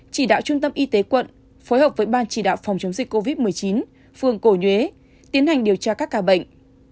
chỉ đạo trung tâm y tế quận phối hợp với ban chỉ đạo phòng chống dịch covid một mươi chín phường cổ nhuế tiến hành điều tra các ca bệnh